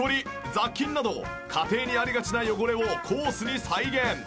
雑菌など家庭にありがちな汚れをコースに再現。